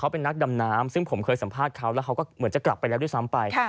เป็นนักดำน้ำซึ่งผมเคยสัมภาษณ์เขาแล้วเขาก็เหมือนจะกลับไปแล้วด้วยซ้ำไป